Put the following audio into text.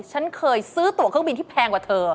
ฉันเคยซื้อตัวเครื่องบินที่แพงกว่าเธอ